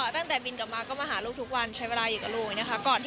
เทศกาลที่มันดูโอเคแล้วเราก็ค่อยลงเป็นปกติ